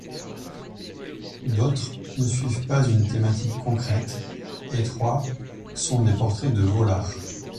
D'autres ne suivent pas une thématique concrète et trois sont des portraits de Vollard.